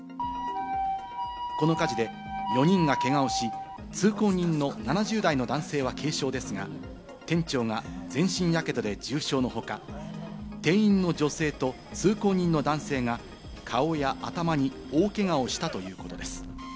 この火事で４人がけがをし、通行人の７０代の男性は軽傷ですが、店長が全身やけどで重傷の他、店員の女性と通行人の男性が、顔や頭に大けがをしたということです。